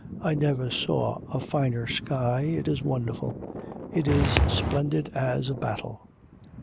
I never saw a finer sky, it is wonderful. It is splendid as a battle'...